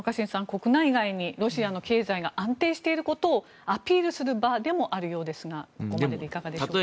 国内外にロシアの経済が安定していることをアピールする場でもあるようですがここまででいかがでしょうか。